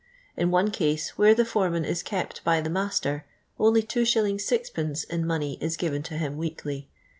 In one case, where the foreman is kept by the master, only 2jt. Gil ia money is given to him weekly.